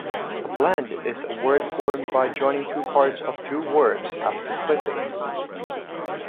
A blend is a word formed by joining parts of two words after clipping.